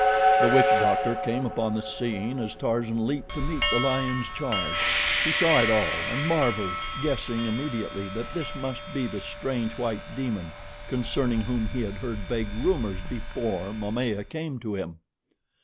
The witch doctor came upon the scene as Tarzan leaped to meet the lion's charge. He saw it all and marveled, guessing immediately that this must be the strange white demon concerning whom he had heard vague rumors before Momaya came to him.